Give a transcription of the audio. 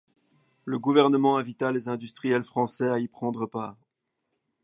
Le gouvernement invita les industriels français à y prendre part.